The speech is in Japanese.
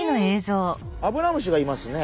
アブラムシがいますね。